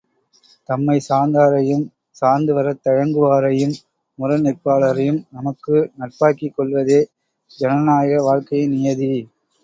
தம்மைச் சார்ந்தாரையும் சார்ந்துவரத் தயங்குவாரையும் முரண் நிற்பாளரையும் நமக்கு நட்பாக்கிக் கொள்வதே ஜனநாயக வாழ்க்கையின் நியதி.